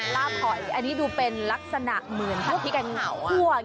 ราบหอยอันนี้ดูเป็นลักษณะเหมือนพัดพริกเผา